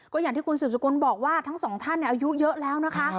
ก็อย่างที่คุณสืบสกุลบอกว่าทั้งสองท่านอายุเยอะแล้วนะคะ